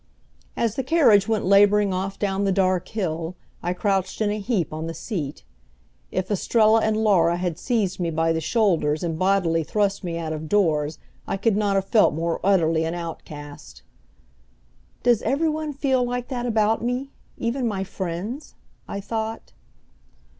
As the carriage went laboring off down the dark hill I crouched in a heap on the seat. If Estrella and Laura had seized me by the shoulders and bodily thrust me out of doors I could not have felt more utterly an outcast. "Does every one feel like that about me, even my friends?" I thought.